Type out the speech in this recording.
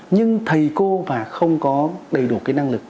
nhưng thầy cô mà không có đầy đủ cái năng lực